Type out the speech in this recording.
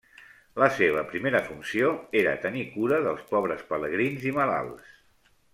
La seva primera funció era tenir cura dels pobres, pelegrins i malalts.